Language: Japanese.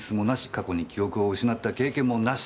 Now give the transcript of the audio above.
過去に記憶を失った経験もなし。